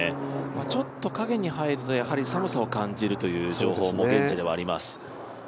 ちょっと影に入ると寒さも感じるという情報も現地ではあります。